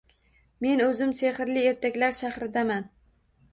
Men o‘zim sehrli ertaklar shahridaman.